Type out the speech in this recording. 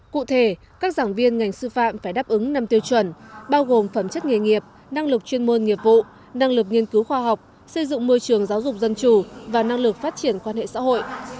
cụ thể các giảng viên ngành sư phạm phải đáp ứng năm tiêu chuẩn bao gồm phẩm chất nghề nghiệp năng lực chuyên môn nghiệp vụ năng lực nghiên cứu khoa học xây dựng môi trường giáo dục dân chủ và năng lực phát triển quan hệ xã hội